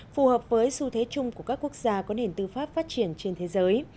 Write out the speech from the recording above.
phù hợp với xu thế chung của các quốc gia có nền tư pháp phát triển trên thế giới